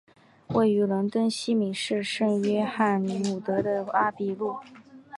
位于伦敦西敏市圣约翰伍德的阿比路。